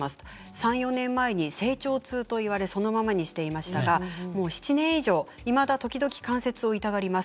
３、４年前に成長痛と言われそのままにしていますがいまだに時々関節を痛がります。